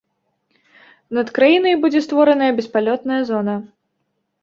Над краінай будзе створаная беспалётная зона.